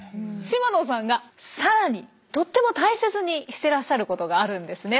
島野さんがさらにとっても大切にしてらっしゃることがあるんですね。